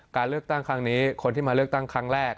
การเลือกตั้งครั้งนี้คนที่มาเลือกตั้งครั้งแรก